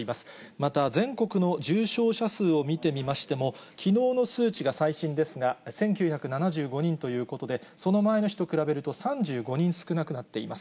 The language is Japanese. また全国の重症者数を見てみましても、きのうの数値が最新ですが、１９７５人ということで、その前の日と比べると、３５人少なくなっています。